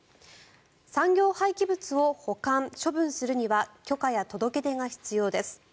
産業廃棄物を保管・処分するには許可や届け出が必要です。